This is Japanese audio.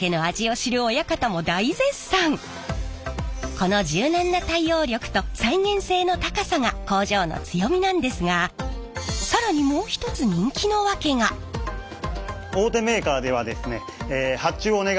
この柔軟な対応力と再現性の高さが工場の強みなんですが更にあお金かかるよねそれはね。